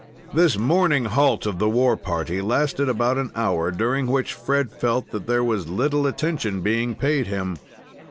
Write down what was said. This morning halt of the war party lasted about an hour, during which Fred felt that there was little attention being paid him.